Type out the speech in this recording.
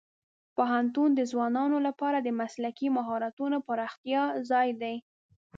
پوهنتون د ځوانانو لپاره د مسلکي مهارتونو پراختیا ځای دی.